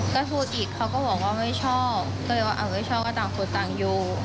ก็พูดอีกเขาก็บอกว่าไม่ชอบก็เลยว่าไม่ชอบก็ต่างคนต่างอยู่